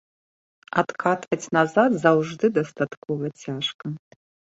Адкатваць назад заўжды дастаткова цяжка.